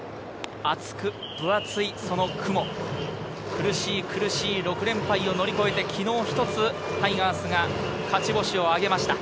苦しい苦しい６連敗を乗り越えて、昨日１つタイガースが勝ち星を挙げました。